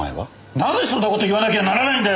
なぜそんな事言わなきゃならないんだよ！